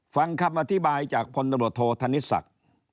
ฟังคำอธิบายจากพโดรโธธนิสักษ์